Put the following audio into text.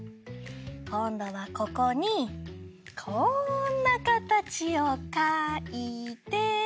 こんどはここにこんなかたちをかいて。